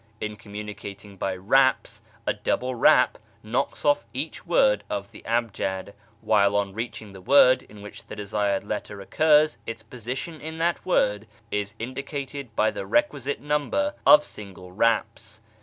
In com municating by raps, a double rap knocks off each word of the abjad, while on reaching the word in which the desired letter occurs its position in that word is indicated by the requisite number of single raps.